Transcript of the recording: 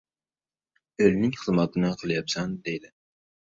Elning xizmatini qilyapsan, deydi.